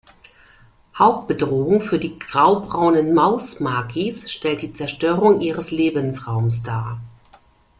Hauptbedrohung für die Graubraunen Mausmakis stellt die Zerstörung ihres Lebensraums dar.